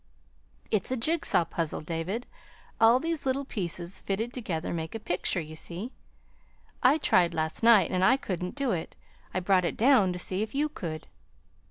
"It's a jig saw puzzle, David. All these little pieces fitted together make a picture, you see. I tried last night and I could n't do it. I brought it down to see if you could."